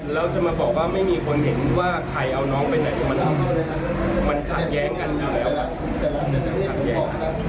แล้วจะมาบอกว่าไม่มีคนเห็นว่าใครเอาน้องไปมันขัดแย้งกันแล้ว